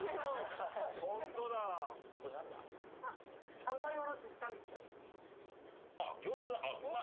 ３枚おろしにしたみたい。